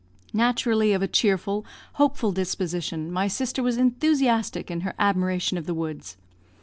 Naturally of a cheerful, hopeful disposition, my sister was enthusiastic in her admiration of the woods.